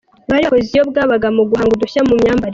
Bari bakoze iyo bwabaga mu guhanga udushya mu myambarire.